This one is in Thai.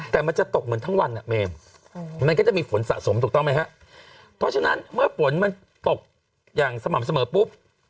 แต่มันจะตกเหมือนทั้งวันอ่ะเมมมันก็จะมีฝนสะสมถูกต้องไหมฮะเพราะฉะนั้นเมื่อฝนมันตกอย่างสม่ำเสมอปุ๊บ